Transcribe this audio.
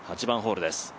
８番ホールです